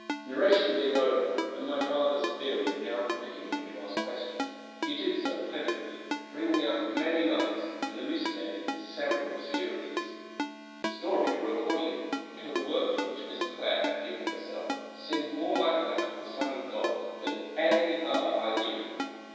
Narration being over, and my father's theory now permitting him to ask questions, he did so plentifully, bringing out many lights, and elucidating several obscurities. The story grew upon me, until the work to which Miss Clare had given herself seemed more like that of the Son of God than any other I knew.